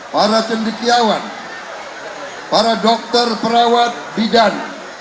para cendikiawan para dokter perawat bidan